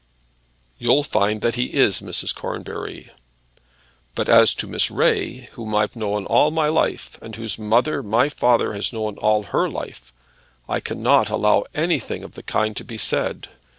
"You'll find that he is, Mrs. Cornbury." "But as to Miss Ray, whom I've known all my life, and whose mother my father has known for all her life, I cannot allow anything of the kind to be said.